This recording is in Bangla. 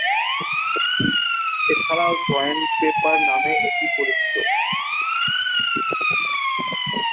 এছাড়াও জয়েন্ট পেপার নামেও এটি পরিচিত।